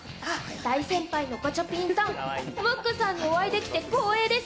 大先輩のガチャピンさん、ムックさんにお会いできて光栄です。